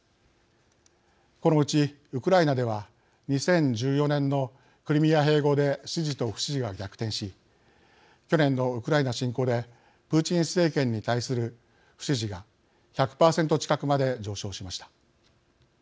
このうちウクライナでは２０１４年のクリミア併合で支持と不支持が逆転し去年のウクライナ侵攻でプーチン政権に対する不支持が１００％近くまで上昇しました。